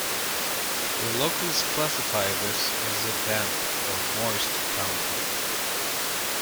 The locals classify this as a "damp" or "moist" county.